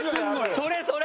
それそれ！